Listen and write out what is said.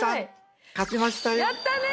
やったね！